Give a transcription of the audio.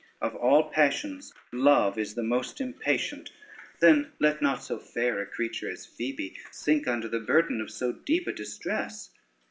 Of all passions, love is most impatient: then let not so fair a creature as Phoebe sink under the burden of so deep a distress.